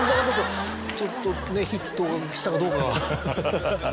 ちょっとねヒットしたかどうか。